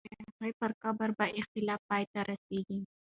د هغې پر قبر به اختلاف پای ته رسېږي.